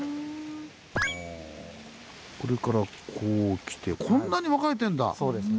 これからこう来てこんなに分かれてんだ！